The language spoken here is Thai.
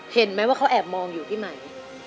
เห็นไหมว่าเขาแอบมองอยู่ที่ไหม